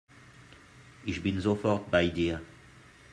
Ich bin sofort bei dir.